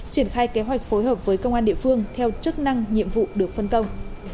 triển khai kế hoạch phối hợp với công an địa phương theo chức năng nhiệm vụ được phân công